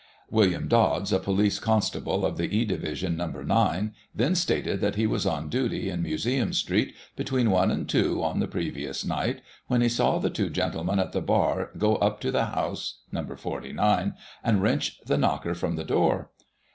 WiUiam Dodds, a police constable of the E division. No. 9, then stated that he was on duty in Museum Street, between I and 2, on the previous night, when he saw the two gentlemen at the bar go up to the house. No. 49, and wrench the knocker from the door.